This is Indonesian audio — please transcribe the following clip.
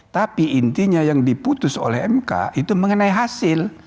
tapi intinya yang diputus oleh mk itu mengenai hasil